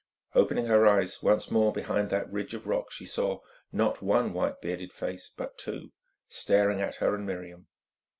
Opening her eyes, once more behind that ridge of rock she saw, not one white bearded face, but two, staring at her and Miriam.